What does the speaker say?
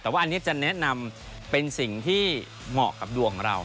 แต่ว่าอันนี้จะแนะนำเป็นสิ่งที่เหมาะกับดวงของเรา